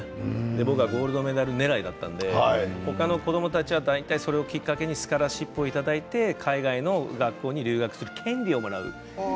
僕はゴールドメダル狙いだったので他の子どもたちは大体それをきっかけにスカラシップをいただいて海外の学校に入学する権利をいただく。